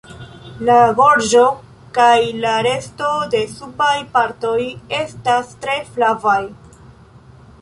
La gorĝo kaj la resto de subaj partoj estas tre flavaj.